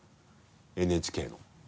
ＮＨＫの。